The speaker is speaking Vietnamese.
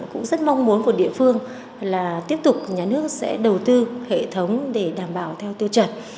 cũng rất mong muốn của địa phương là tiếp tục nhà nước sẽ đầu tư hệ thống để đảm bảo theo tiêu chuẩn